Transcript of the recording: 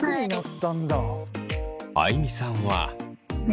あいみさんは。